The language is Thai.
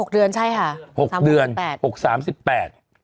๖เดือนใช่ค่ะสามสามสิบแปด